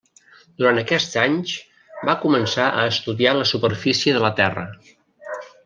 Durant aquests anys va començar a estudiar la superfície de la Terra.